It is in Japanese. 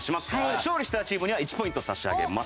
勝利したチームには１ポイント差し上げます。